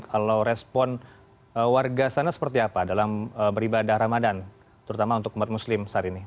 kalau respon warga sana seperti apa dalam beribadah ramadan terutama untuk umat muslim saat ini